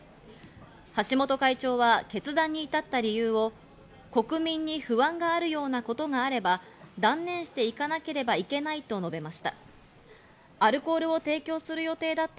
橋本会長は決断に至った理由を国民に不安があるようなことがあれば断念していかなければいけないと述べました。